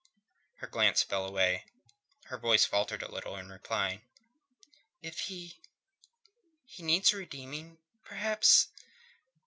Her glance fell away. Her voice faltered a little in replying. "If he... needs redeeming. Perhaps...